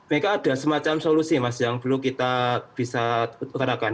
mereka ada semacam solusi mas yang perlu kita bisa utarakan